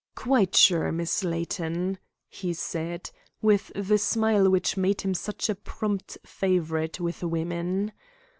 "Quite sure, Miss Layton," he said, with the smile which made him such a prompt favourite with women.